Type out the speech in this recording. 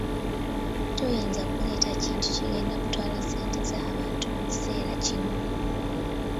Toyinza kuleeta kintu kigenda kutwala ssente z'abantu mu kiseera kino.